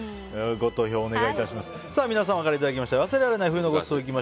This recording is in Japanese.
ご投票お願いいたします。